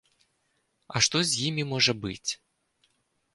А што з імі можа быць?